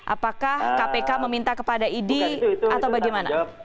apakah kpk meminta kepada idi atau bagaimana